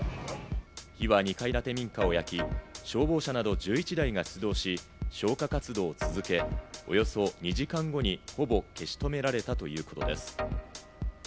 火は２階建て民家を焼き、消防車など１１台が出動し、消火活動を続け、およそ２時間後にほぼ消し止められたということです。